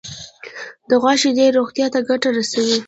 د غوا شیدې روغتیا ته ګټه رسوي.